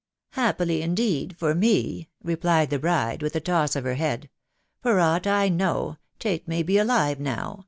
" Happily, indeed, for me !" replied the bride, with a toss of her head : "for aught I know, Tate may be alive now